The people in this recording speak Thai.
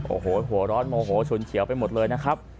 โอ้โหหัวร้อนโมโหฉุนเฉียวไปหมดเลยนะครับ